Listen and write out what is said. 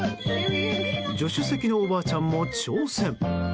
助手席のおばあちゃんも挑戦。